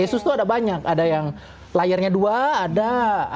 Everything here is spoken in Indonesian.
asus tuh ada banyak ada yang layarnya dua ada yang buat gaming pun